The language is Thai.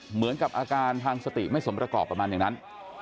เหมือนกับอาการทางสติไม่สมประกอบประมาณอย่างนั้น